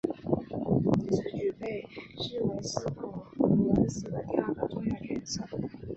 此举被视为斯普鲁恩斯的第二个个重要决策。